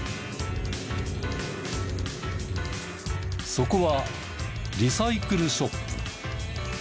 そこはリサイクルショップ。